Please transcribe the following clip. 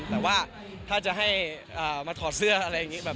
แต่ว่าถ้าจะให้มาถอดเสื้ออะไรอย่างนี้